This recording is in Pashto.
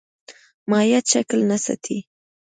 مایعات شکل نه ساتي.